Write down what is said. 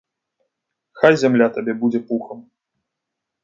Хай зямля табе будзе пухам.